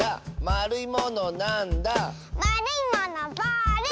「まるいものなんだ？」